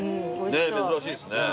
ねえ珍しいですね。